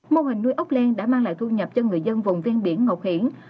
mô hình nuôi ốc len đã mang lại thu nhập cho người dân vùng ven biển ngọc hiển